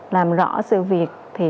làm rõ sự việc thì